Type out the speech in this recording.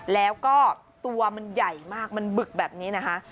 แล้วก็ตัวมันใหญ่มากมันบึกแบบนี้นะคะ